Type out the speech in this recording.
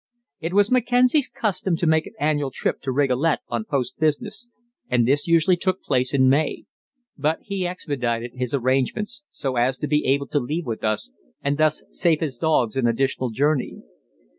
It was Mackenzie's custom to make an annual trip to Rigolet on post business, and this usually took place in May; but he expedited his arrangements so as to be able to leave with us and thus save his dogs an additional journey.